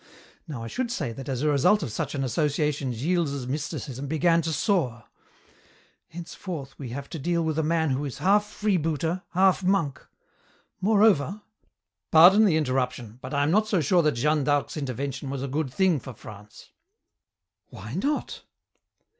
"Now I should say that as a result of such an association Gilles's mysticism began to soar. Henceforth we have to deal with a man who is half freebooter, half monk. Moreover " "Pardon the interruption, but I am not so sure that Jeanne d'Arc's intervention was a good thing for France." "Why not?"